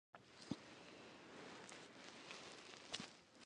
خلک اوس د هاضمې په اړه زیات معلومات لولي.